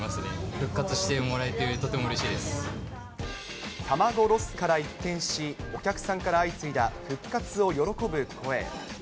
復活してもらえて、とてもうれし卵ロスから一転し、お客さんから相次いだ復活を喜ぶ声。